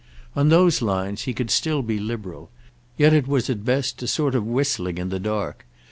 On those lines he could still be liberal, yet it was at best a sort of whistling in the dark.